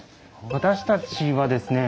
私たちはですね